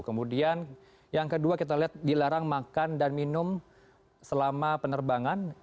kemudian yang kedua kita lihat dilarang makan dan minum selama penerbangan